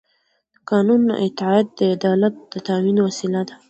د قانون اطاعت د عدالت د تامین وسیله ده